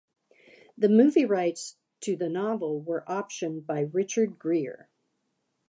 The movie rights to the novel were optioned by Richard Gere.